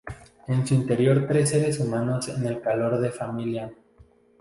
En su interior tres seres humanos en el calor de familia.